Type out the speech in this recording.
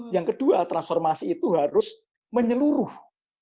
yang kedua transformasi itu harus menyeluruh